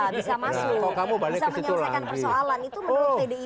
bisa menyelesaikan persoalan itu menurut tdip